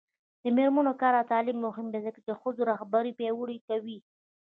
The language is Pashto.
د میرمنو کار او تعلیم مهم دی ځکه چې ښځو رهبري پیاوړې کوي.